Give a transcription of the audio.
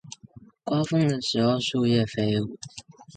刮風的時候樹葉飛舞